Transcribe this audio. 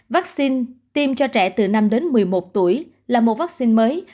vắc xin tiêm cho trẻ từ năm đến một mươi một tuổi là một vắc xin mới